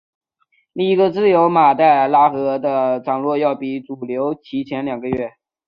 另一个支流马代腊河的涨落要比主流提前两个月。